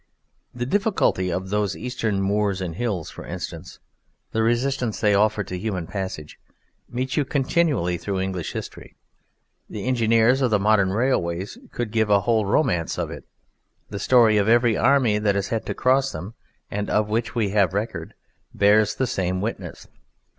The difficulty of those Eastern moors and hills, for instance, the resistance they offer to human passage, meets you continually throughout English history. The engineers of the modern railways could give one a whole romance of it; the story of every army that has had to cross them, and of which we have record, bears the same witness.